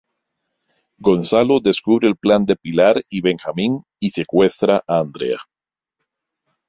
Gonzalo descubre el plan de Pilar y Benjamín y secuestra a Andrea.